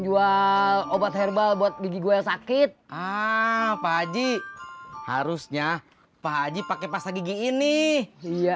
jual obat herbal buat gigi gue yang sakit pak haji harusnya pak haji pakai pasak gigi ini iya